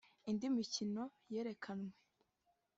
Indi mikino yerekanywe